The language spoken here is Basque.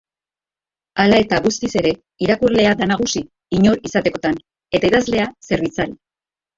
Hala eta guztiz ere, irakurlea da nagusi, inor izatekotan, eta idazlea zerbitzari.